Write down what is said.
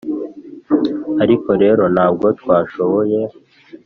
ariko rero ntabwo twashoboye